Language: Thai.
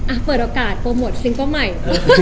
อ่ะเปิดออกการโปรโมทซิงโกะใหม่